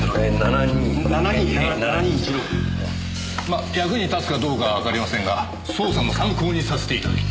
まあ役に立つかどうかはわかりませんが捜査の参考にさせていただきます。